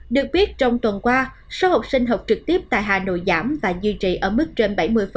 được biết trong tuần qua số học sinh học trực tiếp tại hà nội giảm và duy trì ở mức trên bảy mươi